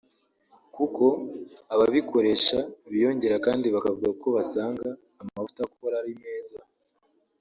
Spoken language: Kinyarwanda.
kuko ababikoresha biyongera kandi bakavuga ko basanga amavuta akora ari meza